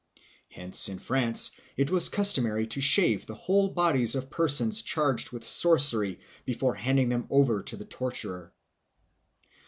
Hence in France it was customary to shave the whole bodies of persons charged with sorcery before handing them over to the torturer.